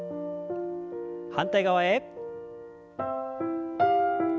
反対側へ。